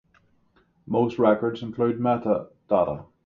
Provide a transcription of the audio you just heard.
Most records include meta-data.